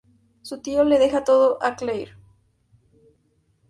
Su tío le deja todo a Clare.